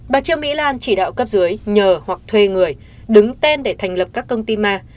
bà trương mỹ lan chỉ đạo cấp dưới nhờ hoặc thuê người đứng tên để thành lập các công ty ma